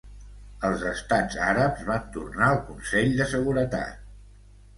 Els estats àrabs van tornar al Consell de Seguretat.